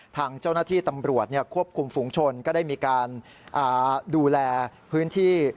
ทางเจ้าหน้าที่ตำรวจควบคุมฝุงชนก็ได้มีการดูแลพื้นที่